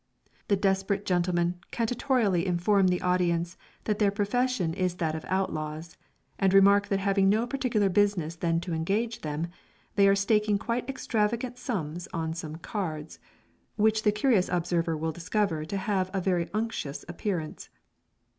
The desperate gentlemen cantatorially inform the audience that their profession is that of outlaws, and remark that having no particular business then to engage them, they are staking quite extravagant sums on some cards, which the curious observer will discover to have a very unctuous appearance.